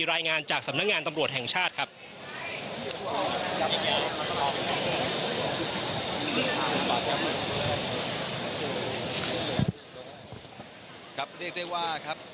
รายงานจากสำนักงานตำรวจแห่งชาติครับ